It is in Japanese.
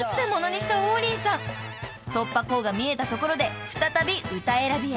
［突破口が見えたところで再び歌選びへ］